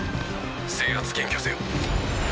制圧検挙せよ。